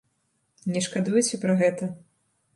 Не шкадуеце пра гэта?